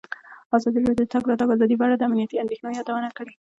ازادي راډیو د د تګ راتګ ازادي په اړه د امنیتي اندېښنو یادونه کړې.